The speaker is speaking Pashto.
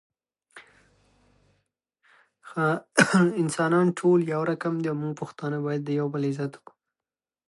ځکه مات لښکر يې بېرته په پښو درول کومه اسانه خبره نه ده.